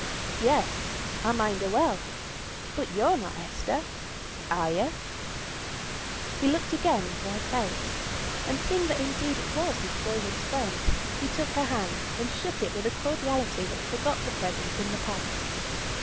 "Yes, I mind her well! But yo are not Esther, are you?" He looked again into her face, and seeing that indeed it was his boyhood's friend, he took her hand, and shook it with a cordiality that forgot the present in the past.